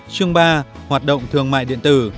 chương ba hoạt động thương mại điện tử